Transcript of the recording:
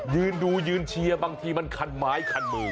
ยืนดูยืนเชียร์บางทีมันคันไม้คันมือ